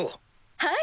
はい！